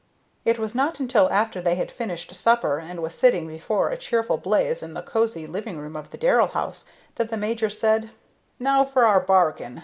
It was not until after they had finished supper and were sitting before a cheerful blaze in the cosey living room of the Darrell house that the major said: "Now for our bargain.